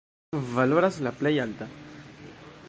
Valoras la plej alta.